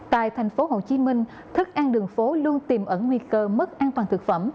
tại thành phố hồ chí minh thức ăn đường phố luôn tìm ẩn nguy cơ mất an toàn thực phẩm